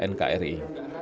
kepada pokok nkri